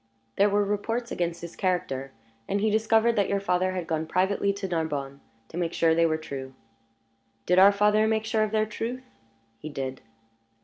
"There were reports against his character, and he discovered that your father had gone privately to Narbonne to make sure they were true." "Did our father make sure of their truth?" "He did."